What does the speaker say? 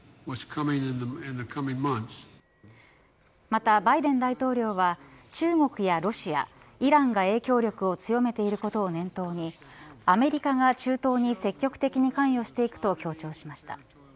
また、バイデン大統領は中国やロシア、イランが影響力を強めていることを念頭にアメリカが中東に積極的に関与していくと強調しました。